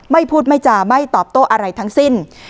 ไม่พูดไม่จาไม่ตอบโต้อะไรทั้งสิ้น